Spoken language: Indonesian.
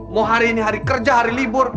mau hari ini hari kerja hari libur